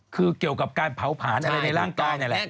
คือเกี่ยวกับการเผาผลาญอะไรในร่างกายนั่นแหละ